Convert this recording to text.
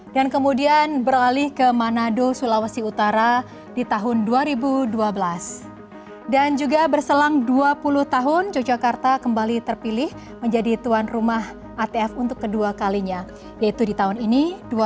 dan kemudian beralih ke manado sulawesi utara di tahun dua ribu dua belas dan juga berselang dua puluh tahun yogyakarta kembali terpilih menjadi tuan rumah atf untuk kedua kalinya yaitu di tahun ini dua ribu dua puluh dua